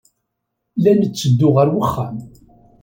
La netteddu ɣer wexxam.